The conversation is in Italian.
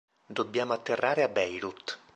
Dobbiamo atterrare a Beirut.